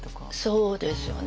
そうですよね。